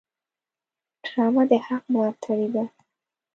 ډرامه د حق ملاتړې ده